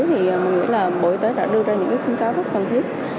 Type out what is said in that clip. mọi người nghĩ là bộ y tế đã đưa ra những khuyến cáo rất cần thiết